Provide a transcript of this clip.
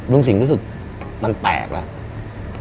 ลุงสิ่งรู้สึกมันแปลกแล้ว